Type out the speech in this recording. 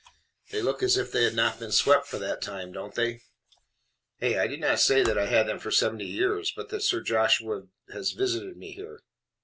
"They look as if they had not been swept for that time don't they? Hey? I did not say that I had them for seventy years, but that Sir Joshua has visited me here."